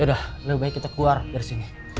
udah lebih baik kita keluar dari sini